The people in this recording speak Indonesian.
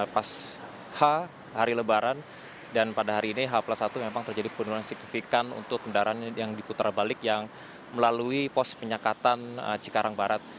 pas h hari lebaran dan pada hari ini h plus satu memang terjadi penurunan signifikan untuk kendaraan yang diputar balik yang melalui pos penyekatan cikarang barat